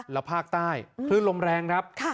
แล้วภาคใต้คลื่นลมแรงครับ